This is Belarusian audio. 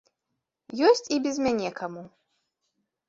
Ёсць і без мяне каму.